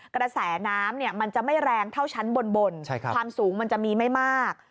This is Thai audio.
กระแสน้ำมันจะไม่แรงเท่าชั้นบนความสูงมันจะมีไม่มาก